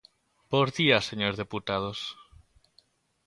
Bos días señores deputados.